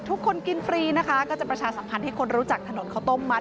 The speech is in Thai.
ทุกคนกินฟรีนะคะก็จะประชาสัมพันธ์ให้คนรู้จักถนนข้าวต้มมัด